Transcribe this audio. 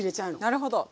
なるほど。